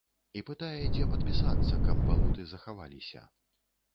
І пытае, дзе падпісацца, каб балоты захавалася.